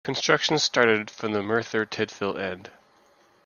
Construction started from the Merthyr Tydfil end.